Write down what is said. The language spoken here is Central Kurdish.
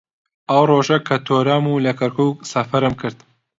ئەو ڕۆژە کە تۆرام و لە کەرکووک سەفەرم کرد